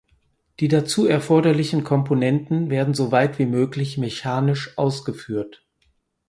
Die dazu erforderlichen Komponenten werden so weit wie möglich mechanisch ausgeführt.